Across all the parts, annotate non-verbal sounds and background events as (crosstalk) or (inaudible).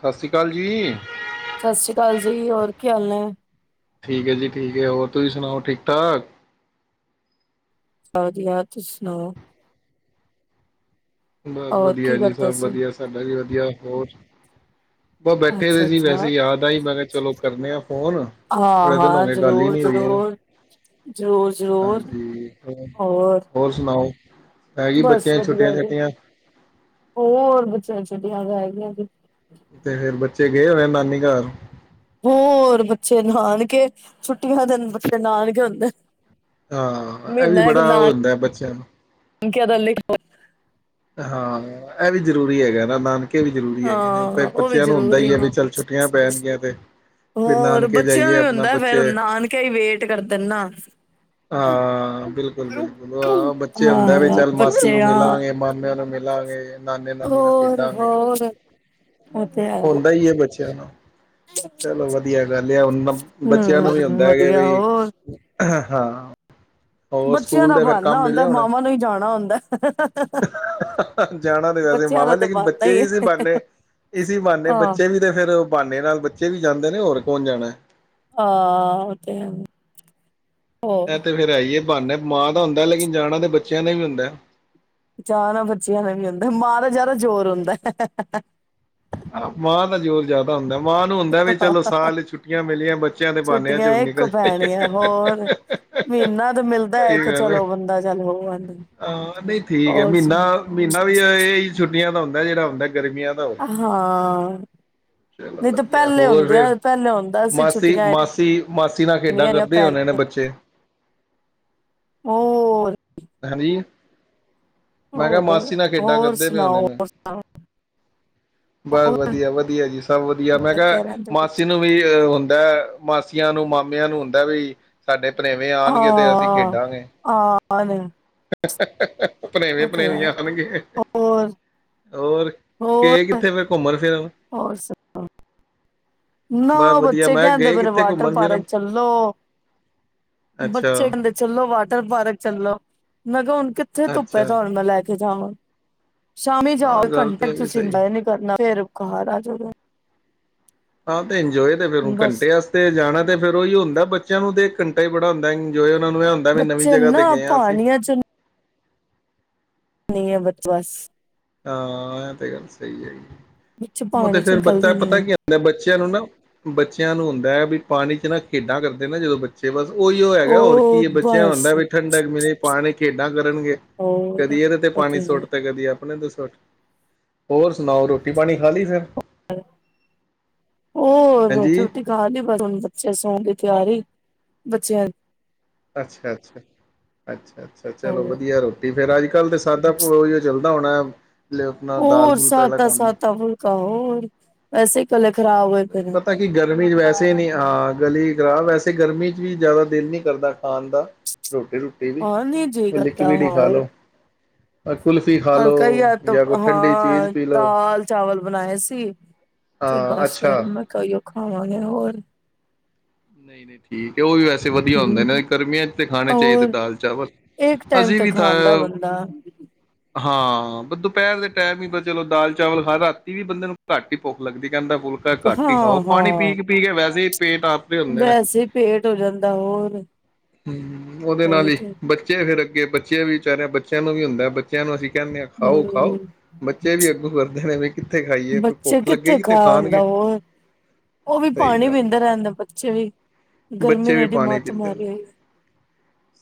ਸਤਿ ਸ੍ਰੀ ਅਕਾਲ ਜੀ। ਸਤਿ ਸ੍ਰੀ ਅਕਾਲ ਜੀ, ਹੋਰ ਕੀ ਹਾਲ ਨੇ। ਠੀਕ ਹੈ, ਜੀ ਠੀਕ ਹੈ ਹੋਰ ਤੁਸੀਂ ਸੁਣਾਓ ਠੀਕ ਠਾਕ। ਬਸ ਵਧੀਆ ਤੁਸੀ ਸੁਣਾਓ। ਬਸ ਹੋਰ ਵਧੀਆ ਕੀ ਜੀ, ਕਰਦੇ ਸਭ ਸੀ? ਵਧੀਆ ਸਾਡਾ ਜੀ। ਵਧੀਆ ਹੋਰ। ਬਸ ਬੈਠੇ ਦੇ ਸੀ ਵੈਸੇ ਅੱਛਾ-ਅੱਛਾ, ਯਾਦ ਆਈ, ਮੈਂ ਕਿਹਾ ਚਲੋ ਕਰਦੇ ਆ ਫੋਨ ਬੜੇ ਦਿਨ ਹੋ ਹਾਂ-ਹਾਂ, ਗਏ ਗੱਲ ਹੀ ਨਹੀਂ ਹੋਈ, ਇਹ ਜ਼ਰੂਰ-ਜ਼ਰੂਰ। ਜ਼ਰੂਰ-ਜ਼ਰੂਰ, ਹਾਂਜੀ ਹੋਰ ਸੁਣਾਓ। ਪੈਗੀ ਬਸ ਬੱਚਿਆਂ ਦੀਆਂ ਛੁੱਟੀਆਂ ਵਧੀਆ ਜੀ। ਛੋਟੀਆਂ ਹੋਰ ਬੱਚਾ ਜੀ। (inaudible) ਵੱਡੀਆਂ ਰਹੇ ਗਿਆ ਜੀ। (inaudible) ਤੇਰੇ ਬੱਚੇ ਗਏ ਹੋਏ ਨਾਨੀ ਘਰ ਹੋਰ ਬੱਚੇ ਨਾਨਕੇ ਛੁੱਟੀਆਂ ਦਿਨ ਬੱਚੇ ਨਾਨਕੇ ਹੁੰਦੇ। ਹਾਂ ਇਹ ਵੀ ਮਹੀਨਾ ਇੱਕ ਬੜਾ ਉਹ ਹੁੰਦਾ ਬੱਚਿਆਂ ਨੂੰ (unintelligible) ਹਾਂ ਇਹ ਵੀ ਜ਼ਰੂਰੀ ਹੈਗਾ ਨਾ ਨਾਨਕੇ ਵੀ ਜਰੂਰੀ ਹੈਗੇ ਨੇ ਹਾਂ, ਉਹ ਵੀ ਬੱਚਿਆਂ ਨੂੰ ਹੁੰਦਾ ਜ਼ਰੂਰੀ ਹੀ ਹੈ ਨੇ। ਵੀ ਚੱਲ ਛੁੱਟੀਆਂ ਪੈਣਗੀਆਂ ਤੇ ਵੀ ਹੋਰ ਨਾਨਕੇ ਬੱਚਿਆਂ ਜਾਈਏ ਨੂੰ ਵੀ ਆਪਣਾ ਹੁੰਦਾ ਫੇਰ ਬੱਚੇ ਨਾਨਕੇ ਹੀ ਵੇਟ ਕਰਦੇ ਨਾ ਹਾਂ ਬਿਲਕੁਲ ਬਿਲਕੁਲ ਹਾਂ ਬੱਚੇ ਹੁੰਦਾ ਵੀ ਆਹ ਚੱਲ ਮਾਸੀ ਬੱਚੇ ਨੂੰ ਆ ਮਿਲਾਂਗੇ ਮਾਮਿਆਂ ਨੂੰ ਮਿਲਾਂਗੇ ਨਾਨੇ ਨਾਨੀ ਨਾਲ ਖੇਡਾਂਗੇ ਹੋਰ-ਹੋਰ ਉਹ ਤੇ ਹੈ ਹੁੰਦਾ ਹੀ ਹੈ ਬੱਚਿਆਂ ਨੂੰ ਚਲੋ ਵਧੀਆ ਗੱਲ ਲਿਆ ਬੱਚਿਆਂ ਨੂੰ ਵੀ ਹਮ ਹੁੰਦਾ ਵਧੀਆ ਬੀ ਹੋਰ ਹਾ ਬੱਚਿਆਂ ਦਾ ਬਾਨਾ ਹੁੰਦਾ ਮਾਵਾਂ ਨੂੰ ਹੀ ਜਾਣਾ ਹੁੰਦਾ ਏ। ਜਾਣਾ ਤੇ ਵੈਸੇ ਮਾਵਾ ਤਾਂ ਲੇਕਿਨ ਬਣਦਾ ਬੱਚੇ ਹੀ ਵੀ ਹੈ ਇਸ ਬਣਨੇ ਇਸ ਬਣਨੇ ਹਾਂ ਬੱਚੇ ਵੀ ਤੇ ਫੇਰ ਬਹਾਨੇ ਨਾਲ ਬੱਚੇ ਵੀ ਜਾਂਦੇ ਨੇ ਹੋਰ ਕੌਣ ਜਾਣਾ ਆਾ ਉਹ ਤੇ ਆ ਹੋਰ ਤੇ ਫੇਰ ਆਈਏ ਬਾਨਾ ਮਾਂ ਦਾ ਹੁੰਦਾ ਲੇਕਿਨ ਜਾਣਾ ਤੇ ਬੱਚਿਆਂ ਦਾ ਵੀ ਹੁੰਦਾ ਐ। ਚਾਅ ਨਾਲ ਬੱਚਿਆਂ ਨੇ ਵੀ ਆੁੰਦਾ ਮਾਂ ਦਾ ਯਾਰ ਜ਼ੋਰ ਹੁੰਦਾ। ਹਾ ਮਾਂ ਦਾ ਜ਼ੋਰ ਜਿਆਦਾ ਹੁੰਦਾ ਏ। ਮਾਂ ਨੂੰ ਹੁੰਦਾ ਵੀ ਚਲੋ ਸਾਲ ਛੁੱਟੀਆਂ ਮਿਲੀਆਂ ਬੱਚਿਆਂ ਦੇ ਬਾਨਿਆਂ ਚ ਛੁੱਟੀਆਂ ਇੱਕ ਨਿਕਲ ਪੈਣੀਆਂ ਹੋਰ ਮਹੀਨਾ ਤਾਂ ਮਿਲਦਾ ਸਹੀ ਹੈ ਕਿ ਗੱਲ ਚਲੋ ਬੰਦਾ ਚੱਲ ਹੋ ਆਂਦਾ ਹਾਂ ਨਹੀਂ ਠੀਕ ਹੈ ਹੋਰ ਮਹੀਨਾ ਸੁਣਾ ਮਹੀਨਾ ਵੀ ਇਹੀ ਛੁੱਟੀਆਂ ਦਾ ਹੁੰ। ਜਿਹੜਾ ਹੁੰਦਾ ਗਰਮੀਆਂ ਦਾ ਉਹ ਹਾਂ ਚਲੋ ਨਹੀਂ ਤਾਂ ਵਧੀਆ ਪਹਿਲੇ ਹੋਰ ਫੇਰ ਹੁੰਦਿਆਂ ਪਹਿਲੇ ਹੁੰਦਾ ਸੀ ਮਾਸੀ ਛੁੱਟੀਆਂ ਮਾਸੀ ਮਾਸੀ ਨਾਲ ਖੇਡਾਂ ਇੰਨੀਆਂ ਇੰਨੀਆਂ ਕਰਦੇ ਪੈ ਹੋਣੇ ਨੇ ਬੱਚੇ। ਹੋਰ ਹਾਂਜੀ ਮੈਂ ਕਿਹਾ ਹੋਰ ਮਾਸੀ ਨਾਲ ਖੇਡਾਂ ਹੋਰ ਕਰਦੇ ਪਏ ਸੁਣਾਓ ਹੋਣੇ ਨੇ। ਹੋਰ ਸੁਣਾਓ ਬਸ ਹੋਰ ਵਧੀਆ ਵਧੀਆ ਜੀ। ਵਧੀਆ ਮੈਂ ਕਿਹਾ ਲੱਗੇ ਰਹਿੰਦੇ ਮਾਸੀ ਨੂੰ ਵੀ ਅਹ ਹੁੰਦਾ ਮਾਸੀਆਂ ਨੂੰ ਮਾਮਿਆਂ ਨੂੰ ਹੁੰਦਾ ਵੀ ਸਾਡੇ ਭਨੇਵੇਂ ਆਉਣਗੇ ਤੇ ਅਸੀਂ ਹਾਂ ਆਹ (inaudible) ਭਣੇਵੇਂ ਭਣੇਵੀਆ ਆਉਣਗੇ ਹੋਰ ਹੋਰ ਗਏ ਹੋਰ ਕਿੱਥੇ ਫੇਰ ਘੁੰਮਣ ਫਿਰਨ ਹੋਰ ਬਸ ਨਾ ਵਧੀਆ ਬੱਚੇ ਮੈਂ ਕਹਿੰਦੇ ਗਏ ਪਏ ਨੇ ਕਿੱਥੇ ਵਾਟਰ ਘੁੰਮਣ ਪਾਰਕ ਫਿਰਨ ਚੱਲੋ ਅੱਛਾ ਬੱਚੇ ਕਹਿੰਦੇ ਚੱਲੋ ਵਾਟਰ ਪਾਰਕ ਚੱਲੋ ਮੈਂ ਕਿਹਾ ਹੁਣ ਤੇ ਧੁੱਪ ਫੈਦਾ ਅੱਛਾ ਹੋਣ ਵਾਲੈ (inaudible) ਸ਼ਾਮੀ ਆਹ ਜਾਓ ਇੱਕ ਗੱਲ ਘੰਟਾ ਤੇ ਇਹ ਵੀ ਤੁਸੀਂ ਸਹੀ ਇੰਜੋਏ ਨੀ ਕਰਨਾ ਫੇਰ ਘਾਰ ਆ ਜਾਓਗੇ ਹਾਂ ਤੇ ਇੰਜੋਏ ਤੇ ਫੇਰ ਹੁਣ ਬਸ ਘੰਟੇ ਆਸਤੇ ਜਾਣਾ ਤੇ ਫੇਰ ਉਹੀਓ ਹੁੰਦਾ ਬੱਚਿਆਂ ਨੂੰ ਦੇਖ ਘੰਟਾ ਹੀ ਬੜਾ ਹੁੰਦਾ ਏ, ਇੰਜੋਏ ਉਹਨਾਂ ਨੂੰ ਇਹ ਹੁੰਦਾ ਵੀ ਨਵੀਂ ਬੱਚੇ ਜਗ੍ਹਾ ਤੇ ਏਨਾ ਗਏ ਹਾਂ ਅਸੀਂ ਪਾਣੀਆਂ ਚ (unintelligible) ਹਾਂ, ਇਹ ਤੇ ਗੱਲ ਸਹੀ ਹੈਗੀ ਬੱਚੇ ਏ। ਉਹ ਤੇ ਪਾਣੀ ਚ ਫੇਰ ਬੱਚਾ ਨਿਕਲਦੇ ਨੀ ਪਤਾ ਹੈ ਕੀ ਹੁੰਦਾ ਬੱਚਿਆਂ ਨੂੰ ਨਾ, ਬੱਚਿਆਂ ਨੂੰ ਹੁੰਦਾ ਹੈ ਵੀ ਪਾਣੀ ਚ ਨਾ ਖੇਡਾਂ ਕਰਦੇ ਨਾ ਜਦੋਂ ਬੱਚੇ ਬਸ ਉਈਉ ਹੈਗਾ ਹੋਰ ਕੀ ਉਹ ਏ ਬੱਚਿਆਂ ਬਸ ਹੁੰਦਾ ਵੀ ਠੰਡਕ ਮਿਲੇ, ਪਾਣੀ ਖੇਡਾਂ ਕਰਨਗੇ, ਹੋਰ ਕਦੀ ਇਹਦੇ ਤੇ ਉਹ ਪਾਣੀ ਹੈ ਸੁੱਟ ਤੇ ਕਦੀ ਆਪ ਹੋਰ ਸੁਣਾਓ ਰੋਟੀ-ਪਾਣੀ ਖਾ ਲਈ ਫਿਰ ਹੋਰ ਹਾਂਜੀ ਰੋਟੀ-ਰੂਟੀ ਖਾ ਲਈ ਪਰ ਬਸ ਹੁਣ ਬੱਚੇ ਸੋਨ ਦੀ ਤਿਆਰੀ ਬੱਚਿਆਂ ਅੱਛਾ-ਅੱਛਾ, ਅੱਛਾ-ਅੱਛਾ ਚਲੋ ਹੋਰ ਵਧੀਆ ਰੋਟੀ ਫੇਰ ਅੱਜ ਕੱਲ ਤੇ ਸਾਡਾ ਉਹੀਓ ਚੱਲਦਾ ਹੋਣੈ ਹੋਰ ਸਾਦਾ-ਸਾਦਾ ਫੁਲਕਾ ਹੋਰ ਹੋਰ ਵੈਸੇ ਕਲ ਪਤਾ ਕੀ ਗਰਮੀ ਚ ਵੈਸੇ ਹੀ ਨੀ, ਹਾਂ ਗਲੀ ਖਰਾਬ ਵੈਸੇ ਗਰਮੀ ਚ ਵੀ ਜ਼ਿਆਦਾ ਦਿਲ ਨਹੀਂ ਕਰਦਾ ਖਾਣ ਦਾ, ਰੋਟੀ-ਰੂਟੀ ਵੀ, ਹਾਂ ਨੀ ਜੀ ਕੋਈ ਕਰਦਾ ਲਿਕਵਿਡ ਹੀ ਖਾ ਹੋਰ ਲੋ ਕੁਲਫ਼ੀ ਖਾ ਲੋ ਹਲਕਾ ਹੀ ਯਦ ਜਾਂ ਕੋਈ ਠੰਡੀ ਚੀਜ਼ ਹਾਂ ਪੀ ਲਓ ਦਾਲ-ਚਾਵਲ ਬਣਾਏ ਸੀ ਤੇ ਹਾਂ ਬਸ ਅੱਛਾ ਫੇਰ ਮੈਂ ਕਿਹਾ ਓਈਓ ਖਾਵਾਂਗੇ ਹੋਰ ਨਹੀਂ-ਨਹੀਂ ਠੀਕ ਏ ਉਹ ਵੀ ਵੈਸੇ ਵਧੀਆ ਹੁੰਦੇ ਨੇ। ਗਰਮੀਆਂ ਚ ਤੇ ਖਾਣੇ ਚਾਹੀਦੇ ਹੋਰ ਦਾਲ-ਚਾਵਲ, ਇੱਕ ਟਾਈਮ ਅਸੀਂ ਤਾਂ ਵੀ ਤਾ ਖਾਂਦਾ ਬੰਦਾ ਹਾਂ, ਦੁਪਹਿਰ ਦੇ ਟੈਮ ਹੀ ਬਈ ਚਲੋ ਦਾਲ-ਚਾਵਲ ਖਾ, ਰਾਤੀ ਵੀ ਬੰਦੇ ਨੂੰ ਘੱਟ ਹੀ ਭੋਖ ਲੱਗਦੀ। ਕਹਿੰਦਾ ਫੁਲਕਾ ਇਕ ਘੱਟ ਹੀ ਖਾਓ। ਹਾਂ ਪਾਣੀ ਪੀ ਹਾਂ ਕੇ, ਪੀ ਕੇ ਵੈਸੇ ਹੀ ਪੇਟ ਹੁੰਦੇ ਨੇ ਵੈਸੇ ਪੇਟ ਹੋ ਜਾਂਦਾ ਹੋਰ ਉਹੀ ਤੇ ਲੱਗੇ ਬੱਚਿਆਂ ਵੀ ਵਿਚਾਰਿਆਂ ਬੱਚਿਆਂ ਨੂੰ ਵੀ ਹੁੰਦੈ ਬੱਚਿਆਂ ਨੂੰ ਅਸੀਂ ਕਹਿਨੇ ਆ ਖਾਓ-ਖਾਓ, ਹਮ ਬੱਚੇ ਵੀ ਅੱਗੋ ਕਰਦੇ ਨੇ ਵੀ ਕਿੱਥੇ ਖਾਈਏ, ਬੱਚੇ ਭੁੱਖ ਕਿੱਥੇ ਲੱਗੇਗੀ ਤੇ ਖਾ ਖਾਣਗੇ। ਹੁੰਦਾ ਹੋਰ ਉਹ ਵੀ ਸਹੀ ਪਾਣੀ ਗੱਲ ਪੀਂਦੇ ਰਹਿੰਦੇ ਬੱਚੇ ਵੀ ਗਰਮੀ ਬੱਚੇ ਨੇ ਵੀ ਐਡੀ ਪਾਣੀ ਮੱਤ ਪੀਂਦੇ ਨੇ, ਮਾਰੀ ਹੋਈ ਹੈ।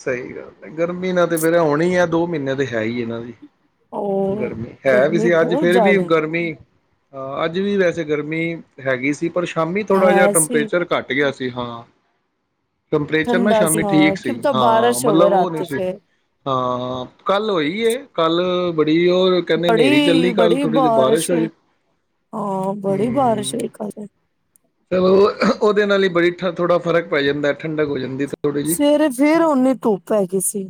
ਸਹੀ ਗੱਲ ਹੈ। ਗਰਮੀ ਨਾਲ ਤੇ ਫੇਰ ਹੋਣਾ ਹੀ ਐ ਦੋ ਮਹੀਨੇ ਤੇ ਹੈ ਈ ਏ ਹੈਨਾ ਵਈ ਔਰ ਗਰਮੀ ਹੈ ਵੀ ਗਰਮੀ ਸੀ ਅੱਜ ਬਹੁਤ ਫੇਿਰ ਵੀ ਜ਼ਿਆਦਾ ਗਰਮੀ ਹ ਅੱਜ ਵੀ ਵੈਸੇ ਗਰਮੀ ਹੈਗੀ ਸੀ ਪਰ ਸ਼ਾਮੀ ਥੋੜ੍ਹਾ ਜਿਹਾ ਹੈ ਸੀ ਟੈਂਪਰੇਚਰੱਟ ਗਿਆ ਸੀ ਹਾਂ ਟੈਂਪਰੇਚਰ ਨਾੈਂ ਠੰਡਾ ਸ਼ਾਮੀ ਹਾਂ ਠੀਕ ਸੀ ਕਿ ਤਾਂ ਹਾਂ ਬਾਰਿਸ਼ ਹੋਵੇ ਮਤਲਬ ਉਹ ਨਹੀਂੀ ਰਾਤੀ ਸੀ ਫੇਰ ਹਾਂ ਕੱਲ ਹੋਈ ਕੱਲ ਬੜੀ ਉਹ ਕਹਿੰਦੇ ਹਨੇਰੀ ਬੜੀ ਚੱਲੀ ਕੱਲ ਬੜੀ ਥੋੜ੍ਹੀ ਜਿਹੀ ਬਾਰਿਸ਼ ਹੋਈ ਹਾਂ ਬੜੀ ਬਾਰਿਸ਼ ਹਮ ਹੋਈ ਕ ਚਲੋ ਉਹਦੇ ਨਾਲ ਹੀ ਬੜੀ ਥੋੜਾ ਫ਼ਰਕ ਪੈ ਜਾਂਦਾ ਠੰਡਕ ਹੋ ਜਾਂਦੀ ਤੇ ਸਵੇਰੇ ਫੇਰ ਓਨੀ ਧੁੱਪ ਪੈ ਗਈ ਸੀ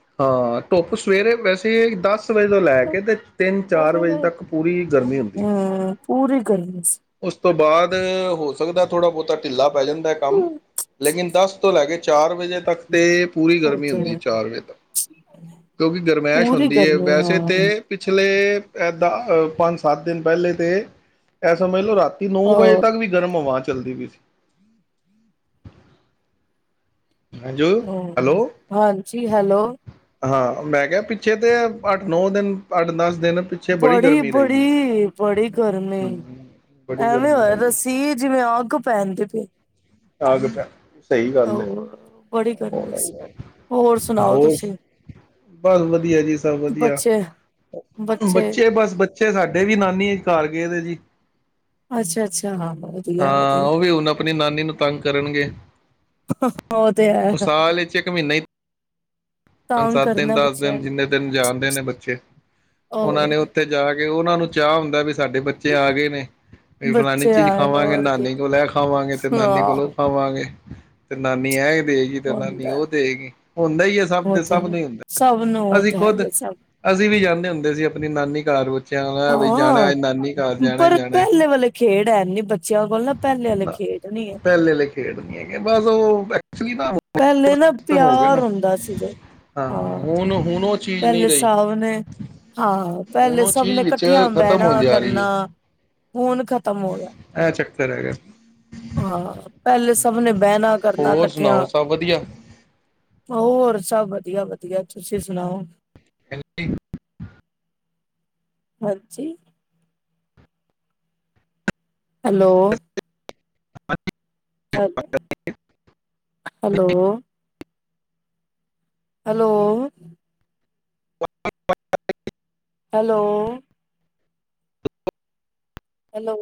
ਹਾਂ ਧੁੱਪ ਸਵੇਰੇ ਵੈਸੇ ਦਸ ਵਜੇ ਤੋਂ ਲੈ ਕੇ ਤੇ ਤਿੰਨ ਚਾਰ ਵਜੇ ਹਮ ਤੱਕ ਪੂਰੀ ਗਰਮੀ ਹੁੰਦੀ ਪੂਰੀ ਗਰਮੀ ਸੀ ਉਸ ਤੋਂ ਬਾਅਦ ਹੋ ਸਕਦਾ ਥੋੜਾ ਬਹੁਤਾ ਢਿੱਲਾ ਪੈ ਜਾਂਦਾ ਕੰਮ ਲੇਕਿਨ ਦਸ ਤੋਂ ਲੈ ਕੇ ਚਾਰ ਵਜੇ ਤੱਕ ਤੇ ਪੂਰੀ ਉਹ ਗਰਮੀ ਤੇ ਹੁੰਦੀ ਹੈ ਚਾਰ ਵਜੇ ਤੱਕ ਕਿਉਂਕਿ ਗਰਮੈਸ਼ ਪੂਰੀ ਹੁੰਦੀ ਹੈ ਗਰਮੀ ਵੈਸੇ ਹਾਂ ਤਾਂ ਪਿਛਲੇ ਇਦਾਂ ਪੰਜ ਸੱਤ ਦਿਨ ਪਹਿਲੇ ਤੇ ਇਹ ਸਮਝ ਲਓ ਰਾਤ ਨੌ ਔਰ ਵਜੇ ਵੀ ਗਰਮ ਹਵਾ ਚੱਲਦੀ ਪਈ ਸੀ ਹਾਂਜੀ ਹੈਲੋ ਹਮ ਹਾਂਜੀ ਹੈਲੋ ਹਾਂ ਮੈਂ ਕਿਹਾ ਪਿੱਛੇ ਤੇ ਅੱਠ ਨੌ ਦਿਨ ਅੱਠ ਦਸ ਦਿਨ ਪਿੱਛੇ ਬੜੀ ਗਰਮੀ ਰਹੀ ਹੈ ਬੜੀ ਬੜੀ ਗਰਮੀ ਹਮ ਬੜੀ ਐਵੇਂ ਗਰਮੀ ਹੋਇਆ ਹੈਗੀ ਰਸੀ ਜਿਵੇਂ ਅੱਗ ਪਹਿਨਦੇ ਪਏ ਆਗਤ (unintelligible) (unintelligible) ਸੀ। ਹੋਰ ਸੁਣਾਓ ਹੋਰ ਤੁਸੀਂ ਬਸ ਵਧੀਆ ਜੀ ਸਭ ਵਧੀਆ ਬੱਚੇ ਬੱਚੇ ਬਸ ਬੱਚੇ ਸਾਡੇ ਵੀ ਨਾਨੀ ਘਰ ਗਏ ਜੀ (inaudible) (inaudible) ਅੱਛਾ ਅੱਛਾ ਹਾਂ ਵਧੀਆ ਹਾਂ ਵਧੀਆ ਉਹ ਵੀ ਹੁਣ ਆਪਣੀ ਨਾਨੀ ਨੂੰ ਤੰਗ ਕਰਨਗੇ ਉਹ ਤੇ ਹੈ ਮ ਸਾਲ ਇੱਕ ਮਹੀਨਾ ਹੀ ਪੰਜ ਤੰਗ ਸੱਤ ਦਿਨ ਕਰਨਾ ਦਸ ਬੱਚਿਆਂ ਦਿਨ ਨੂੰ ਜਿੰਨੇ ਦਿਨ ਜਾਣਦੇ ਨੇ ਬੱਚੇ ਉਹਨਾਂ ਨੇ ਹੋਰ ਉੱਥੇ ਜਾ ਕੇ ਉਹਨਾਂ ਨੂੰ ਚਾਹ ਹੁੰਦਾ ਵੀ ਸਾਡੇ ਬੱਚੇ ਆ ਗਏ ਨੇ ਵੀ ਫਲਾਨੀ ਬੱਚੇ ਚੀਜ਼ ਆਏ ਨੇ ਖਾਵਾਂਗੇ ਹੋਰ ਕੀ ਨਾਨੀ ਕੋਲ ਇਹ ਖਾਵਾਂਗੇ ਤੇ ਨਾਨੀ ਹਾਂ ਕੋਲ ਉਹ ਖਾਵਾਂਗੇ ਤੇ ਨਾਨੀ ਹੈ ਦੇਗੀ ਤੇ ਨਾਨੀ ਹੁੰਦਾ ਉਹ ਦੇਗੀ ਹੁੰਦਾ ਈ ਹੈ ਉਹ ਸਭ ਤੇ ਸਭ ਦਾ ਹੈ ਹੁੰਦਾ ਸਭ ਨੂੰ ਉਹ ਅਸੀਂ ਤਾਂ ਖੁੱਦ ਹੈਗੇ ਸਭ ਅਸੀਂ ਵੀ ਜਾਂਦੇ ਹੁੰਦੇ ਸੀ ਆਪਣੀ ਨਾਨੀ ਇੰਨੀ ਕਾਰਵਾਈ। ਜਾਣਾ ਬਈ ਜਾਣਾ ਹਾਂ ਅੱਜ ਨਾਨੀ ਘਰ ਜਾਣਾ ਹੀ ਜਾਣਾ। ਹੈਨੀ ਨੀ ਬੱਚੇ। ਨਾ ਪਹਿਲੇ ਆਲ਼ੇ ਖੇਡ ਨੀ ਹੈਗੇ ਬਸ ਉਹ ਐਕਚੁਅਲੀ ਨਾ ਪਹਿਲੇ ਨਾ ਖਤਮ ਹੋ ਗਏ ਪਿਆਰ ਨਾ ਹੁੰਦਾ ਸੀ, ਜੀ ਹਾਂ ਹੁਣ ਹੁਣ ਉਹ ਚੀਜ਼ ਨਹੀਂ ਪਹਿਲੇ ਰਹੀ ਸਭ ਨੇ ਹਾਂ ਹੁਣ ਪਹਿਲੇ ਉਹ ਸਭ ਨੇ ਚੀਜ਼ ਵਿੱਚ ਇਕੱਠਿਆਂ ਖਤਮ ਬਹਿਣਾ ਹੁੰਦੀ ਜਾ ਕਰਨਾ ਰਹੀ ਹੁਣ ਖਤਮ ਹੋ ਗਿਆ। ਸਰ ਹੈਗਾ। ਹਾਂ ਪਹਿਲੇ ਸਭ ਨੇ ਬਹਿਣਾ ਕਰਨਾ ਹੋਰ ਇਕੱਠਿਆਂ ਸੁਣਾਓ ਸਭ ਵਧੀਆ ਹੋਰ ਸਭ ਵਧੀਆ-ਵਧੀਆ, ਤੁਸੀਂ ਸੁਣਾਓ? ਹੈਪੀ। ਹਾਂਜੀ। ਹੈਲੋ। ਅੱ ਹਾਂਜੀ, hello. Hello, (unintelligible) hello, hello, hello,